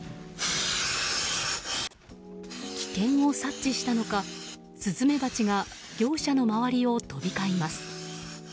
危険を察知したのかスズメバチが業者の周りを飛び交います。